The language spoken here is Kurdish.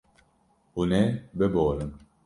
Hûn ê biborin.